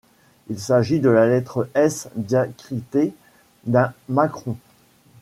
Il s'agit de la lettre S diacritée d'un macron.